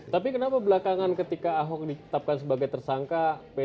tapi kenapa belakangan ketika ahok ditetapkan sebagai tersangka